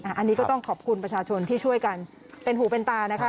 อันนี้ก็ต้องขอบคุณประชาชนที่ช่วยกันเป็นหูเป็นตานะคะ